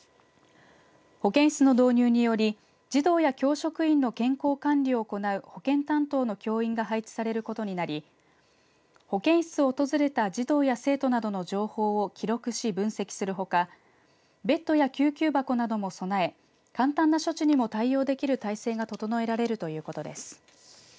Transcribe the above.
保健室の導入により児童や教職員の健康管理を行う保健担当の教員が配置されることになり保健室を訪れた児童や生徒などの情報を記録し分析するほかベッドや救急箱なども備え簡単な処置にも対応できる体制が整えられるということです。